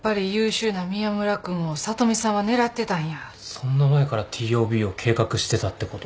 そんな前からＴＯＢを計画してたってこと？